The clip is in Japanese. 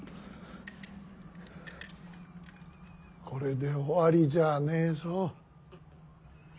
これで終わりじゃねえぞ。